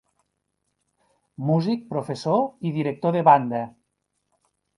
Músic, professor i director de banda.